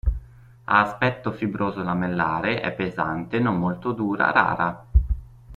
Ha aspetto fibroso-lamellare è pesante non molto dura rara.